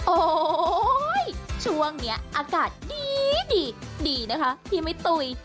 โอ้โหช่วงนี้อากาศดีดีนะคะพี่ไม่ตุ๋ย